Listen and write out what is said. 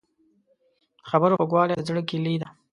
د خبرو خوږوالی د زړه کیلي ده.